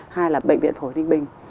hai là bệnh viện phổi ninh bình